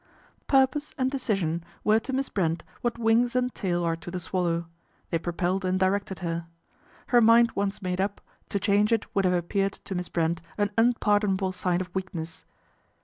Purpose and decision were to Miss Brent what wings and tail are to the swallow : they propelled and directed her. Her mind once made up, to change it would have appeared to Miss Brent an unpardonable sign of weakness.